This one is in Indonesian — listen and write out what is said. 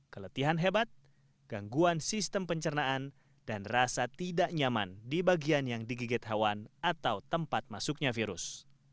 keletihan hebat gangguan sistem pencernaan dan rasa tidak nyaman di bagian yang digigit hewan atau tempat masuknya virus